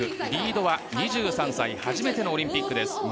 リードは２３歳初めてのオリンピックです。